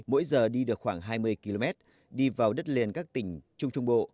mỗi giờ đi được khoảng hai mươi km đi vào đất liền các tỉnh trung trung bộ